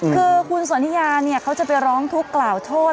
คือคุณสวนิยาเขาจะไปร้องทุกข่าวโทษ